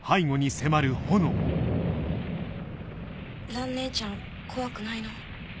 蘭ねえちゃん怖くないの？